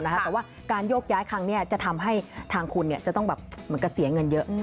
แต่ว่าการโยชน์ย้ายคลั้งนี้จะทำให้ทางคุณซีอางเงินเยอะ